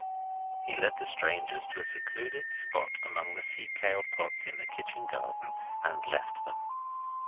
He led the strangers to a secluded spot among the sea kale pots in the kitchen garden and left them.